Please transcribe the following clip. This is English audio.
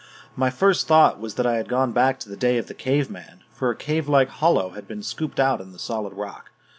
My first thought was that I had gone back to the day of the cave man, for a cave like hollow had been scooped out in the solid rock.